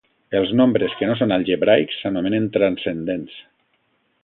Els nombres que no són algebraics s'anomenen transcendents.